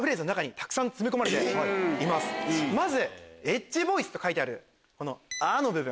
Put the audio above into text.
エッジボイスと書いてある「あ」の部分。